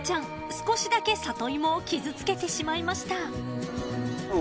少しだけサトイモを傷つけてしまいました］